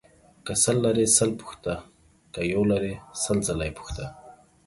که سل لرې سل پوښته ، که يو لرې سل ځله يې پوښته.